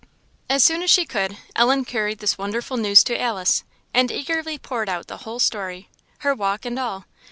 As soon as she could, Ellen carried this wonderful news to Alice, and eagerly poured out the whole story, her walk and all.